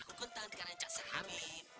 kok kita gak diajak makan sih